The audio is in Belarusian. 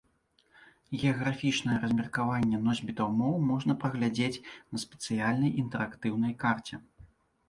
Геаграфічнае размеркаванне носьбітаў моў можна праглядзець на спецыяльнай інтэрактыўнай карце.